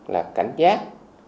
là cảnh giác